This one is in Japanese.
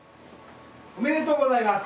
おめでとうございます。